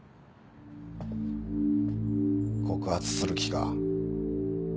告発する気か？